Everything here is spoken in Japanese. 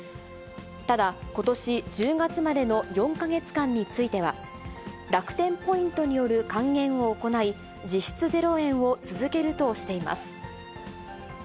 ただ、ことし１０月までの４か月間については、楽天ポイントによる還元を行い、実質０円を続けるとしています。